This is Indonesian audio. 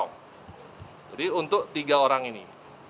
jadi untuk tiga orang ini